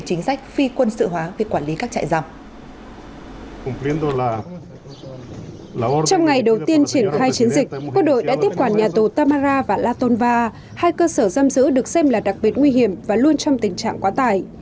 trong hai chiến dịch quân đội đã tiếp quản nhà tù tamara và la tonva hai cơ sở giam giữ được xem là đặc biệt nguy hiểm và luôn trong tình trạng quá tải